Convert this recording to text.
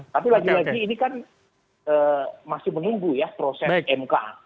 tapi lagi lagi ini kan masih menunggu ya proses mk